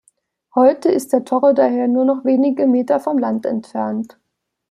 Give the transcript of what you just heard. Heute ist der Torre daher nur noch wenige Meter vom Land entfernt.